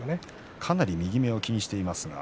かなり右目を気にしています。